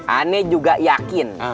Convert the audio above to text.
ane juga yakin